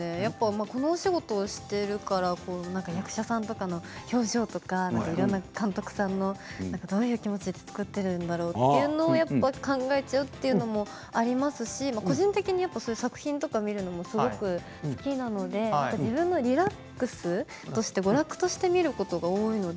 このお仕事をしているから役者さんとかの表情とかいろんな監督さんのどういう気持ちで作っているんだろうというのをやっぱり考えちゃうというのもありますし個人的に作品とか見るのすごく好きなので自分のリラックスとして娯楽として見ることが多いので。